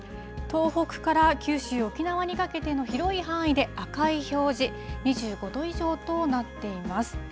東北から九州、沖縄にかけての広い範囲で赤い表示、２５度以上となっています。